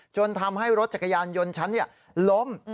จนทำให้รถจักรยานยนต์ฉันล้ม